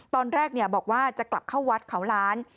ตอนแรกบอกว่าจะกลับเข้าวัดเขาล้าน